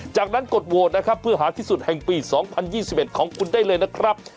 จากนั้นกดโหวตนะครับเพื่อหาที่สุดแห่งปี๒๐๒๑ของคุณได้เลยนะครับ